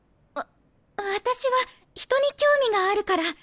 わ私は人に興味があるから。